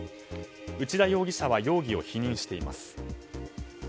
内田容疑者は容疑を否認しています。